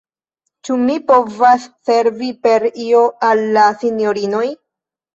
Ĉu mi povas servi per io al la sinjorinoj?